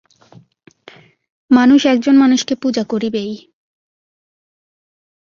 মানুষ একজন মানুষকে পূজা করিবেই।